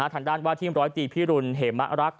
ทางด้านว่าทีมร้อยตีพิรุณเหมะรักษ